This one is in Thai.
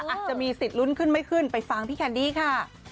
อาจจะมีสิทธิ์ลุ้นขึ้นไม่ขึ้นไปฟังพี่แคนดี้ค่ะ